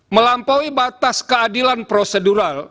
melampaui batas keadilan prosedural